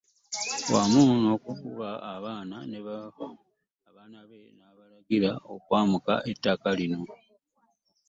Wamu n'okukuba abaana be n'okubalagira okwamuka ettaka lino.